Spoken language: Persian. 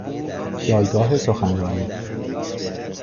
جایگاه سخنرانی